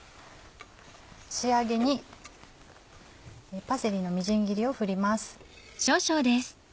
仕上げにパセリのみじん切りを振ります。